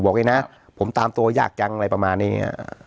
บอกให้นะผมตามตัวอยากจังอะไรประมาณเนี้ย